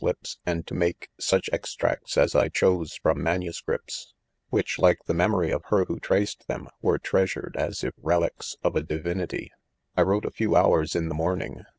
lips, and to make such' extracts as [■ chose from manuscripts, which, like the memory of her who traced them, were treasured as if relics of a divinity, I wrote a few hoiirs in the morning